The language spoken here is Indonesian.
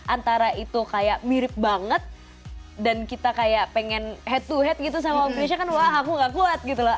antara itu kayak mirip banget dan kita kayak pengen head to head gitu sama grecia kan wah aku gak kuat gitu loh